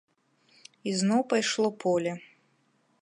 І зноў пайшло поле.